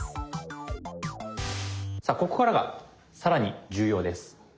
さあここからが更に重要です。